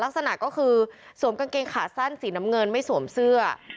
ลักษณะก็คือสวมกางเกงขาสั้นสีน้ำเงินไม่สวมเสื้อ